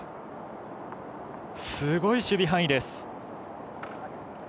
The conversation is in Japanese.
すごい守備範囲です。